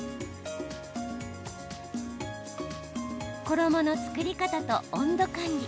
衣の作り方と温度管理。